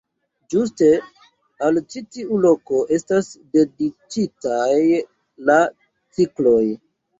Ĝuste al ĉi tiu loko estas dediĉitaj la cikloj.